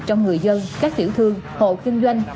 trong người dân các tiểu thương hộ kinh doanh